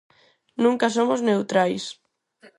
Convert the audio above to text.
Nunca somos neutrais.